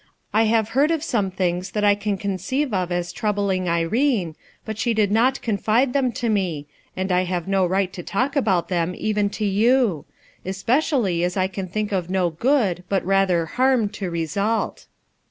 I have heard of some things that I can conceive of as troubling Irene, but she did not confide them to me, and I have no right to talk about them even to you ; especially as I can think of no good, but rather harm, to result."